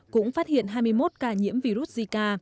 cũng phát hiện hai mươi một ca nhiễm virus zika